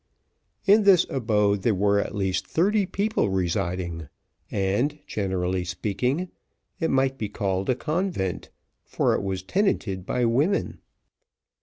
In this abode there were at least thirty people residing, and generally speaking, it might be called a convent, for it was tenanted by women.